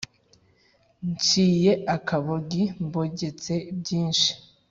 Nshiye akabogi mbogetse byinshi